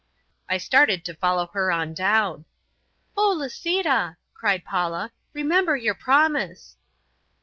I started to follow her on down. "Oh, Lisita," cried Paula; "remember your promise."